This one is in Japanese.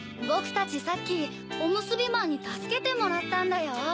ぼくたちさっきおむすびまんにたすけてもらったんだよ。